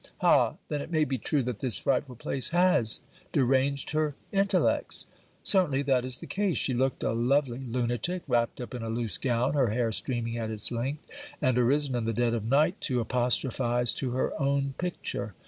Ha! then it may be true, that this frightful place has deranged her intellects! Certainly that is the case. She looked a lovely lunatic, wrapped up in a loose gown, her hair streaming at its length; and arisen, in the dead of night, to apostrophize to her own picture!